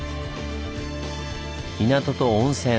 港と温泉